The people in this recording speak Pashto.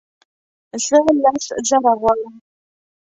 زه لس زره غواړم